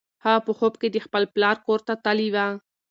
هغه په خوب کې د خپل پلار کور ته تللې وه.